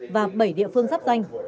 và bảy địa phương sắp danh